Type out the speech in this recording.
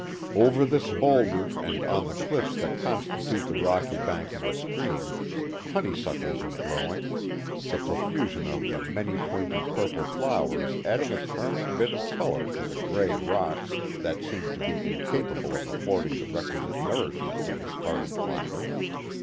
Over this boulder and on the cliffs that constitute the rocky bank of the stream, honey suckles are growing, the profusion of the many pointed purple flowers adding a charming bit of color to the gray rocks that seem to be incapable of affording the requisite nourishment to this hardy climber.